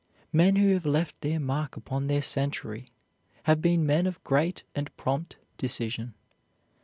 Men who have left their mark upon their century have been men of great and prompt decision.